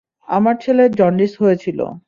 আমার ছেলের জন্ডিস হয়েছিল।